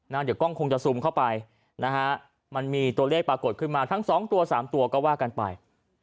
เดี๋ยวกล้องคงจะซูมเข้าไปนะฮะมันมีตัวเลขปรากฏขึ้นมาทั้งสองตัวสามตัวก็ว่ากันไป